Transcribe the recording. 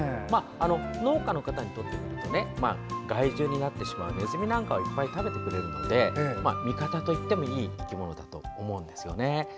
農家の方にとってみると害獣になってしまうネズミなんかをいっぱい食べてくれるので味方といってもいい生き物だと思うんですよね。